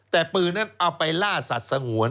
แต่ปืนนั้นเอาไปล่าสัตว์สงวน